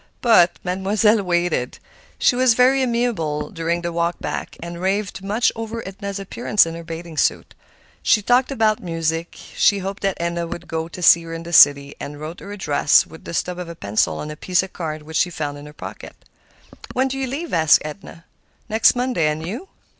But Mademoiselle waited. She was very amiable during the walk back, and raved much over Edna's appearance in her bathing suit. She talked about music. She hoped that Edna would go to see her in the city, and wrote her address with the stub of a pencil on a piece of card which she found in her pocket. "When do you leave?" asked Edna. "Next Monday; and you?"